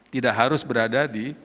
tidak harus berada di